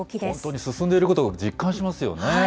本当に進んでいることを実感しますよね。